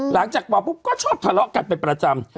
หลังจากว่าก็ชอบทะเลาะกันไปประจำ